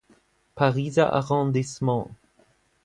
Pariser Arrondissement.